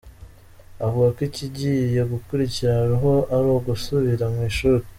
Avuga ko ikigiye gukurikiraho ari ugusubira mu ishuri.